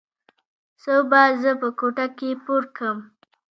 څه به زه په کوټه کښې پورکم.